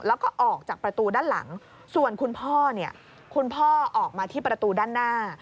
แล้วก็ออกจากประตูด้านหลังส่วนคุณพ่อเนี่ยคุณพ่อออกมาที่ประตูด้านหน้า